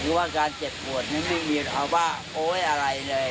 หรือการเจ็บปวดมันไม่มีอะไรเลย